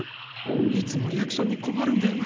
いつもリアクションに困るんだよな。